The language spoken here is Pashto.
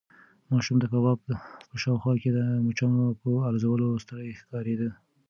ماشوم د کباب په شاوخوا کې د مچانو په الوزولو ستړی ښکارېده.